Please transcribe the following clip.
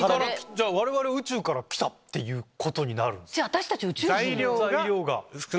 じゃあ我々宇宙からきたっていうことになるんですか？